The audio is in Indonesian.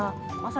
kalau mau kerja